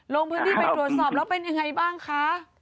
ลงพื้นที่ไปตรวจสอบแล้วเป็นยังไงบ้างคะ